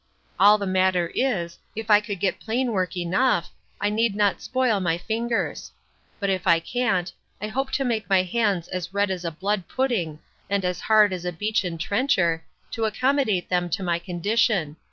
All the matter is, if I could get plain work enough, I need not spoil my fingers. But if I can't, I hope to make my hands as red as a blood pudding, and as hard as a beechen trencher, to accommodate them to my condition.